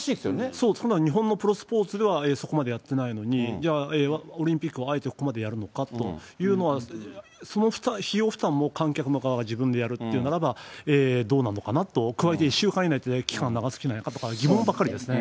そう、日本のプロスポーツではそこまでやってないのに、オリンピックはあえてここまでやるのかというのは、その費用負担も観客側が自分でやるっていうならば、どうなのかなと、加えて１週間ぐらいって期間は長すぎないかとか、疑問ばっかりですね。